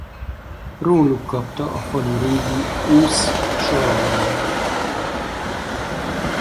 Róluk kapta a falu régi Usz-Salgó nevét.